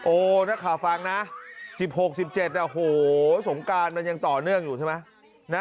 นักข่าวฟังนะ๑๖๑๗โอ้โหสงการมันยังต่อเนื่องอยู่ใช่ไหม